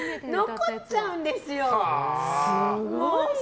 残っちゃうんですよ。